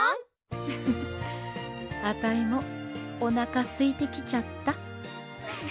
ウフフあたいもおなかすいてきちゃった。